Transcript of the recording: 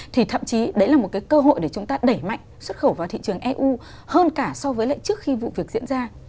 thì thậm chí đấy là một cái cơ hội để chúng ta đẩy mạnh xuất khẩu vào thị trường eu hơn cả so với lại trước khi vụ việc diễn ra